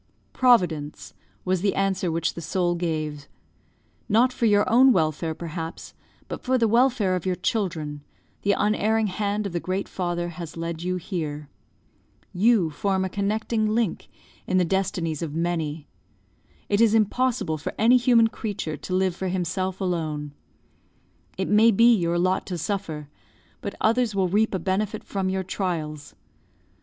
"Providence," was the answer which the soul gave. "Not for your own welfare, perhaps, but for the welfare of your children, the unerring hand of the Great Father has led you here. You form a connecting link in the destinies of many. It is impossible for any human creature to live for himself alone. It may be your lot to suffer, but others will reap a benefit from your trials.